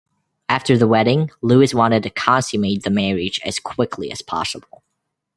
After the wedding, Louis wanted to consummate the marriage as quickly as possible.